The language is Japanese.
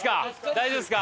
大丈夫ですか？